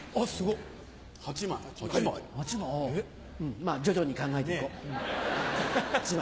まぁ徐々に考えていこう８枚。